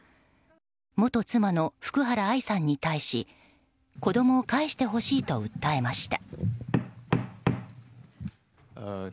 元妻の福原愛さんに対し子供を返してほしいと訴えました。